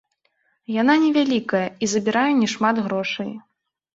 Яна не вялікая і забірае не шмат грошай.